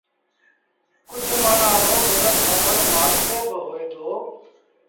ڪجه مآڻهآݩ رو گزر سڦر مآل تي بآ هوئي دو